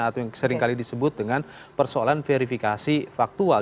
atau yang seringkali disebut dengan persoalan verifikasi faktual